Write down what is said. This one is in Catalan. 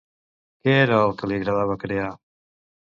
Què era el que li agradava crear?